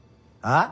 ああ？